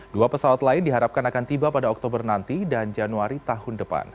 dua pesawat lain diharapkan akan tiba pada oktober nanti dan januari tahun depan